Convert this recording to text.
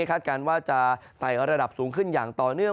การว่าจะไต่ระดับสูงขึ้นอย่างต่อเนื่อง